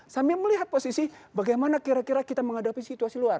sambil melihat posisi bagaimana kira kira kita menghadapi situasi luar